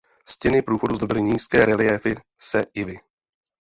Stěny průchodu zdobily nízké reliéfy se lvy.